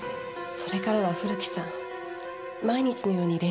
それからは古木さん毎日のように連絡してきました。